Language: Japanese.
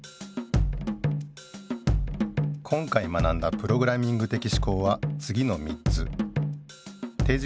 今回学んだプログラミング的思考はつぎの３つじかいも見るべし！